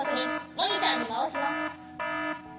モニターにまわします。